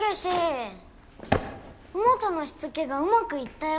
兎本のしつけがうまくいったよ。